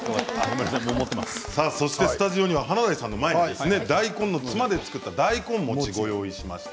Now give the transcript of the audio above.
そしてスタジオには華大さんの前に大根のツマで作った大根餅を用意しました。